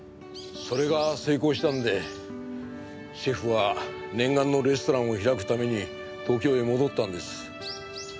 それが成功したのでシェフは念願のレストランを開くために東京へ戻ったんです。